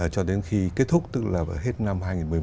cho đến khi kết thúc tức là hết năm hai nghìn một mươi một